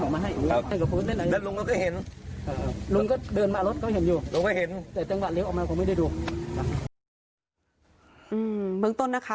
เมืองต้นนะคะ